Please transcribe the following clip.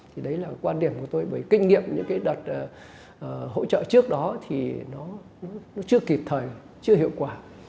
thì đấy là quan điểm của tôi bởi kinh nghiệm những cái đợt hỗ trợ trước đó thì nó chưa kịp thời chưa hiệu quả